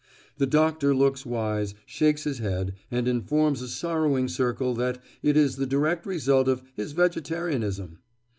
The doctor looks wise, shakes his head, and informs a sorrowing circle that it is the direct result of "his vegetarianism."